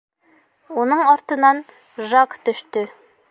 Уның артынан Жак төштө.